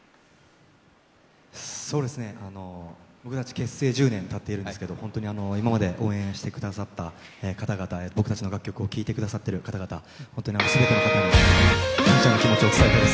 結成１０年たっているんですけれども今まで応援してくださった方々に僕たちの楽曲を聴いてくださっている方々、本当に全ての方に感謝の気持ちを伝えたいです。